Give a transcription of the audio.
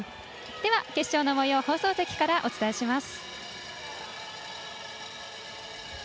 決勝のもようを放送席からお伝えします。